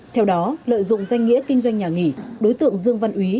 theo đó lợi dụng danh nghĩa kinh doanh nhà nghỉ đối tượng dương văn úy